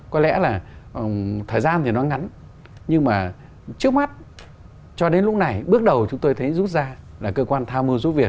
có lẽ là thời gian thì nó ngắn nhưng mà trước mắt cho đến lúc này bước đầu chúng tôi thấy rút ra là cơ quan tham mưu rút việc